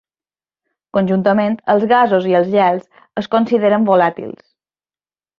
Conjuntament, els gasos i els gels es consideren "volàtils".